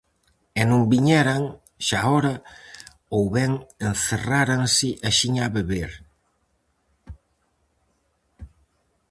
E non viñeran, xaora, ou ben encerráranse axiña a beber.